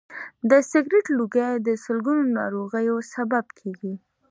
د سګرټ لوګی د سلګونو ناروغیو سبب کېږي.